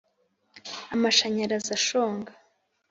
amashanyarazi ashonga.